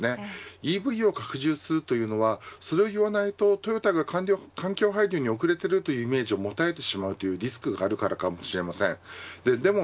ＥＶを拡充するというのはそれを言わないとトヨタが環境配慮に後れているイメージを持たれてしまうというリスクがあるからかもしれません。